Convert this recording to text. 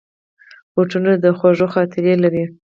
بوټونه د خوږو خاطرې لري.